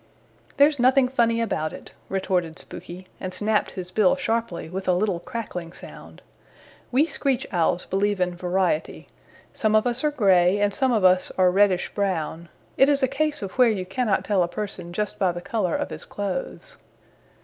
"There's nothing funny about it," retorted Spooky, and snapped his bill sharply with a little cracking sound. "We Screech Owls believe in variety. Some of us are gray and some of us are reddish brown. It is a case of where you cannot tell a person just by the color of his clothes."